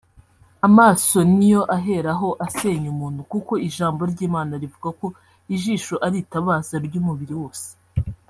Amaso niyo aheraho asenya umuntu kuko ijambo ry’Imana rivuga ko ijisho ari itabaza ry’umubiri wose